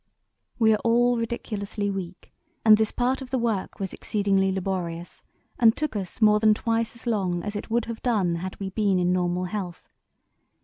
"We are all ridiculously weak, and this part of the work was exceedingly laborious and took us more than twice as long as it would have done had we been in normal health.